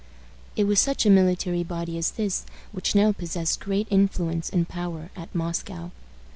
It was such a military body as this which now possessed great influence and power at Moscow.